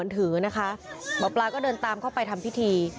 ถือนะคะหมอปลาก็เดินตามเข้าไปทำพิธี